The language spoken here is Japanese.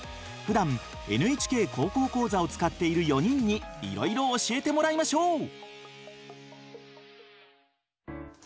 ふだん「ＮＨＫ高校講座」を使っている４人にいろいろ教えてもらいましょう！